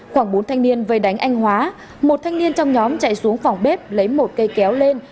khoảng bốn thanh niên vây đánh anh hóa một thanh niên trong nhóm chạy xuống phòng bếp lấy một cây kéo lên